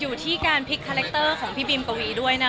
อยู่ที่การพลิกคาแรคเตอร์ของพี่บีมปวีด้วยนะ